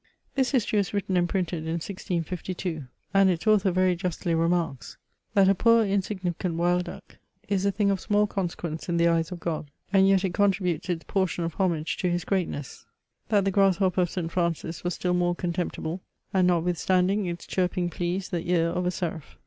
This history was written and printed in 1652, and its author very justly remarks, *' that a poor, insignificant wild duck is a thing of small consequence in the eyes of God ; and yet it contributes its portion of homage to His greatness ; that the grasshopper of St. Francis was still more contemptible, and, not withstanding, its chirping pleased the ear of a seraph."